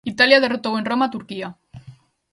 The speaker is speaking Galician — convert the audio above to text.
Italia derrotou en Roma a Turquía.